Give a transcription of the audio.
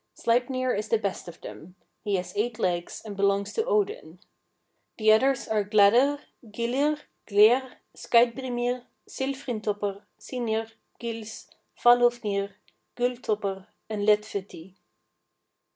Sleipnir is the best of them; he has eight legs, and belongs to Odin. The others are Gladr, Gyllir, Glær, Skeidbrimir, Silfrintoppr, Synir, Gils, Falhofnir, Gulltoppr, and Lettfeti.